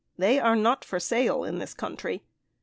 They are not for sale in this country.